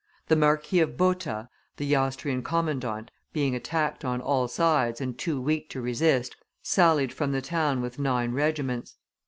The Marquis of Botta, the Austrian commandant, being attacked on all sides, and too weak to resist, sallied from the town with nine regiments.